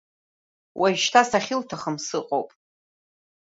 Уажәшьҭа сахьылҭахым сыҟоуп…